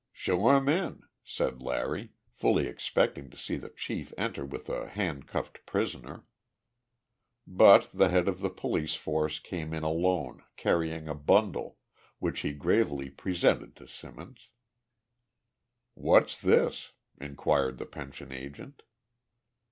"Show him in," said Larry, fully expecting to see the chief enter with a handcuffed prisoner. But the head of the police force came in alone, carrying a bundle, which he gravely presented to Simmons. "What's this?" inquired the pension agent.